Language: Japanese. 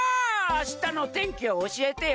あしたのてんきをおしえてよ。